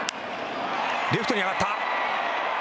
レフトに上がった。